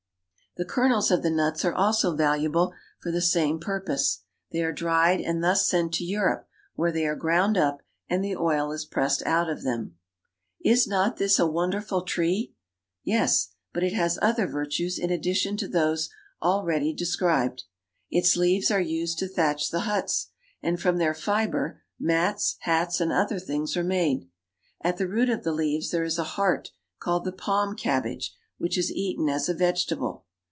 The kernels of the nuts are also valuable for the same purpose. They are dried and thus sent to Europe, where they are ground up, and the oil is pressed out of them. Is not this a wonderful tree ? Yes, but it has other virtues in addition to those already described. Its leaves are used to thatch the huts, and from their fiber mats, hats, and other things are made. At the root of the leaves there is a heart called the palm cabbage, which is eaten as a vegetable.